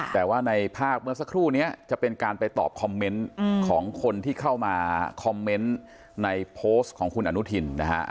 แต่ว่าในภาพเมื่อสักครู่นี้จะเป็นการไปตอบคอมเมนต์ของคนที่เข้ามาคอมเมนต์ในโพสต์ของคุณอนุทินนะฮะ